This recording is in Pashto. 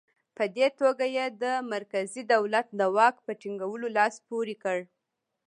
په دې توګه یې د مرکزي دولت د واک په ټینګولو لاس پورې کړ.